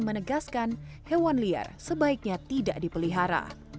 menegaskan hewan liar sebaiknya tidak dipelihara